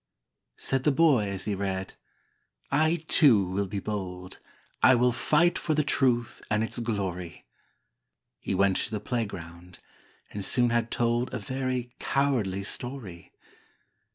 Said the boy as he read, "I too will be bold, I will fight for the truth and its glory!" He went to the playground, and soon had told A very cowardly story!